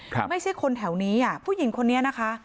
ไม่ใช่คนแถวนี้อ่ะผู้หญิงคนนี้นะคะ